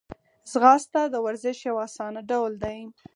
ځغاسته د ورزش یو آسانه ډول دی